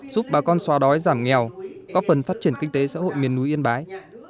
giúp bà con xóa đói giảm nghèo có phần phát triển kinh tế xã hội miền núi yên bái